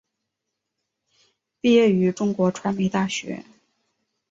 毕业于中国传媒大学。